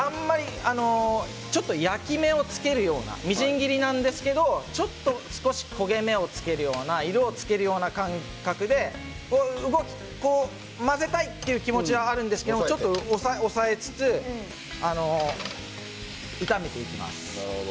焼き目をつけるようなみじん切りなんですけど少し焦げ目をつけるような色をつけるような感覚で混ぜたいという気持ちはあるんですけど抑えつつ炒めていきます。